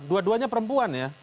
dua duanya perempuan ya